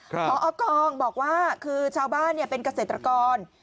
พอกองบอกว่าคือชาวบ้านเป็นเกษตรกร